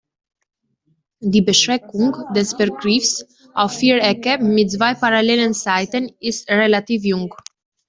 Die Beschränkung des Begriffs auf Vierecke mit zwei parallelen Seiten ist relativ jung.